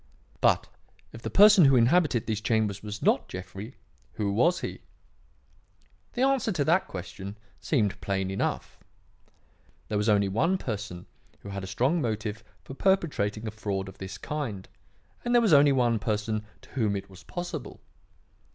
"But, if the person who inhabited these chambers was not Jeffrey, who was he? "The answer to that question seemed plain enough. There was only one person who had a strong motive for perpetrating a fraud of this kind, and there was only one person to whom it was possible.